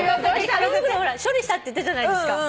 紙袋処理したって言ったじゃないですか。